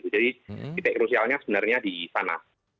jadi titik krusialnya sebenarnya di sana